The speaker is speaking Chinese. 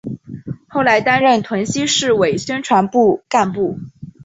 后来担任屯溪市委宣传部干部。